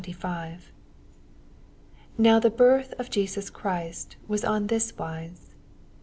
18—25. 18 Now the birth ox Jesus Christ Was ou this wise.